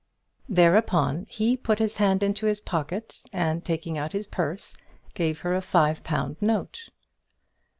Thereupon he put his hand into his pocket, and taking out his purse, gave her a five pound note.